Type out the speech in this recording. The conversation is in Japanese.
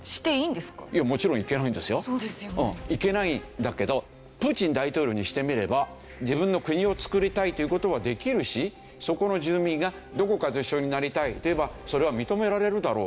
いけないんだけどプーチン大統領にしてみれば自分の国をつくりたいという事はできるしそこの住民がどこかと一緒になりたいと言えばそれは認められるだろう。